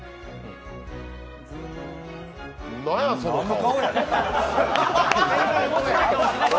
何や、その顔。